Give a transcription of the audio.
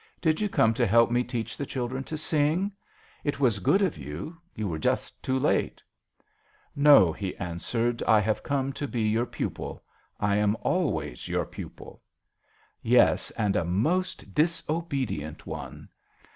Did you come to help me teach the children to sing ? It was good of you : you were just too late." " No," he answered, " I have come to be your pupil. I am always your pupil." " Yes, and a most disobedient one."